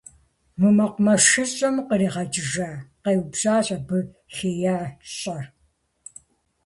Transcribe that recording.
Мы мэкъумэшыщӀэм укъригъэкӀыжа? - къеупщӀащ абы хеящӀэр.